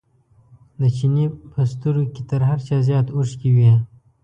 د چیني په سترګو کې تر هر چا زیات اوښکې وې.